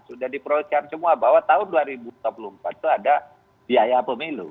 sudah diproyeksikan semua bahwa tahun dua ribu dua puluh empat itu ada biaya pemilu